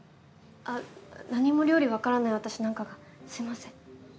あっ何も料理分からない私なんかがすみません。